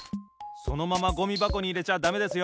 そのままゴミばこにいれちゃだめですよ！